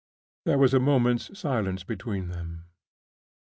There was a moment's silence between them.